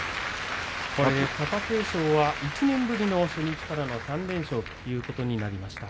貴景勝は１年ぶりの初日からの３連勝ということになりました。